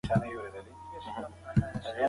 ماشومان اوس لوستل زده کوي.